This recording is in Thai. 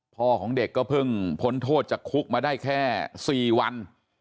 พ่อของเด็กก็เพิ่งพ้นโทษจากคุกมาได้แค่๔วัน